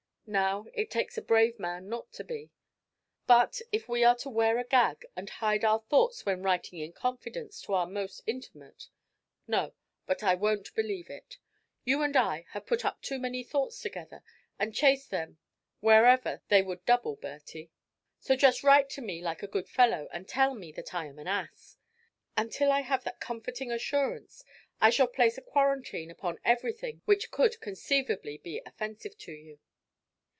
Now it takes a brave man not to be. But if we are to wear a gag, and hide our thoughts when writing in confidence to our most intimate no, but I won't believe it. You and I have put up too many thoughts together and chased them where ever they would double, Bertie; so just write to me like a good fellow, and tell me that I am an ass. Until I have that comforting assurance, I shall place a quarantine upon everything which could conceivably be offensive to you.